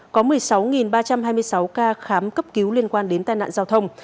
có một mươi sáu ba trăm hai mươi sáu ca khám cấp cứu liên quan đến tai nạn giao thông